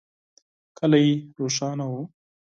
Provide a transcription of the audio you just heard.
کلی روښانه و.